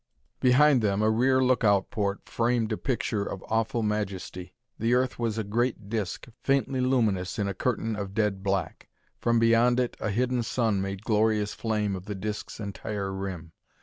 Behind them, a rear lookout port framed a picture of awful majesty. The earth was a great disc, faintly luminous in a curtain of dead black. From beyond it, a hidden sun made glorious flame of the disc's entire rim.